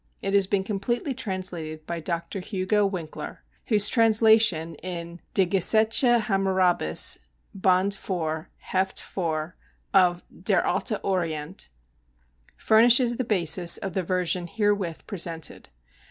It has been completely translated by Dr. Hugo Winckler, whose translation (in Die Gesetze Hammurabis, Band IV, Heft 4, of Der Alte Orient) furnishes the basis of the version herewith presented.